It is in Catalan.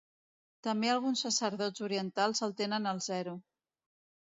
També alguns sacerdots orientals el tenen al zero.